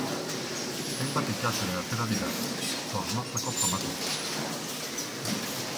Hainbat ikasle atera dira, Zornotzako famatu.